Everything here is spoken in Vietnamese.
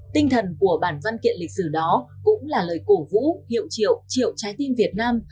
tinh thần của bản văn kiện lịch sử đó cũng là lời cổ vũ hiệu triệu triệu trái tim việt nam